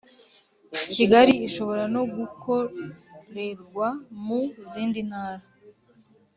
Kigali ishobora no gukorerwa mu zindi ntara